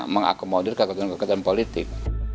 mengakomodir keketuhan keketuhan politik